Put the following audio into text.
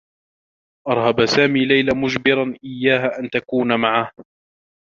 أرهب سامي ليلى مجبرا إيّاها أن تكون معه.